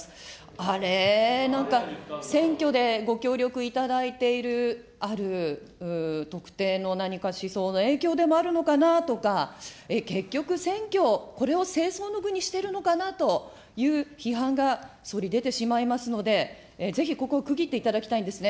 あれー、なんか、選挙でご協力いただいている、ある特定の何か思想の影響でもあるのかなあとか、結局、選挙、これを政争の具にしているのかなという批判が総理、出てしまいますので、ぜひここ、区切っていただきたいんですね。